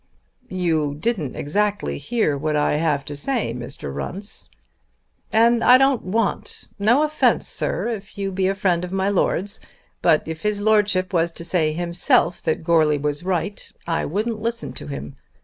"You didn't exactly hear what I have to say, Mr. Runce." "And I don't want. No offence, sir, if you be a friend of my Lord's; but if his Lordship was to say hisself that Goarly was right, I wouldn't listen to him.